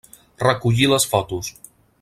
Recollir les fotos.